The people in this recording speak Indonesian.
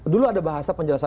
dulu ada bahasa penjelasan